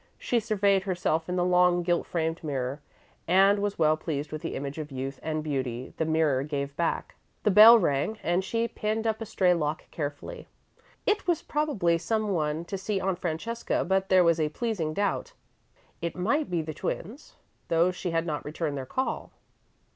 She surveyed herself in the long, gilt framed mirror, and was well pleased with the image of youth and beauty the mirror gave back. The bell rang and she pinned up a stray lock carefully. It was probably someone to see Aunt Francesca, but there was a pleasing doubt. It might be the twins, though she had not returned their call.